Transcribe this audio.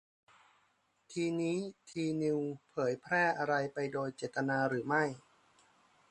ทีนี้ ทีนิวส์เผยแพร่อะไรไปโดยเจตนาหรือไม่